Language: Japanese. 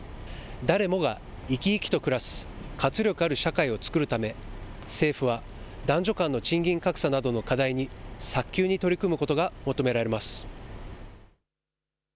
誰もが生き生きと暮らす活力ある社会を作るため政府は男女間の賃金格差などの課題に早急に取り組むことが求められます。